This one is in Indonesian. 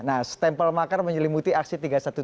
nah stempel makar menyelimuti aksi tiga ratus dua belas